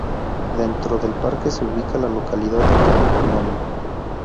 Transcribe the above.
Dentro del parque se ubica la localidad de Cabo Polonio.